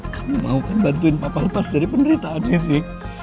kamu mau kan bantuin papa lepas dari penderitaan ini